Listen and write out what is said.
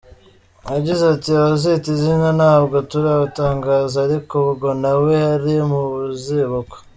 Yagize ati: "Abazita izina ntabwo turabatangaza, ariko ubwo na we ari mu bazibukwa.